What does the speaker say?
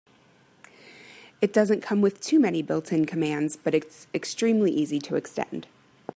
It doesn't come with too many built-in commands, but it's extremely easy to extend.